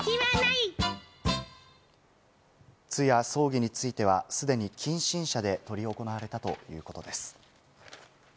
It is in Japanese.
通夜、葬儀についてはすでに近親者で執り行われたということです。